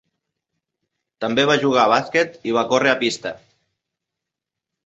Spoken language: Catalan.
També va jugar a bàsquet i va córrer a pista.